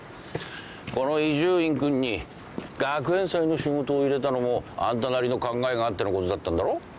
この伊集院君に学園祭の仕事を入れたのもあんたなりの考えがあってのことだったんだろ？